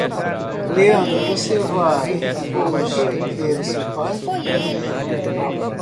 Leandro, você vai hoje ver seu pai?